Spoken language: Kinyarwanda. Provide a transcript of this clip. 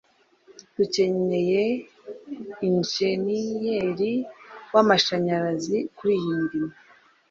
Dukeneye injeniyeri w'amashanyarazi kuriyi mirimo